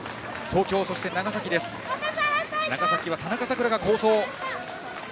長崎は田中咲蘭が好走。